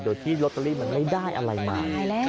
โดยที่ลอตเตอรี่มันไม่ได้อะไรมา